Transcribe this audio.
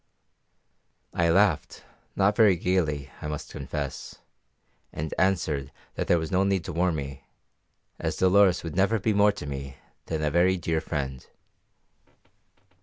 I laughed, not very gaily, I must confess, and answered that there was no need to warn me, as Dolores would never be more to me than a very dear friend.